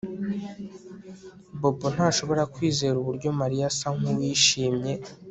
Bobo ntashobora kwizera uburyo Mariya asa nkuwishimye